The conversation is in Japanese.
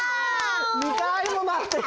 ２かいもまわってる。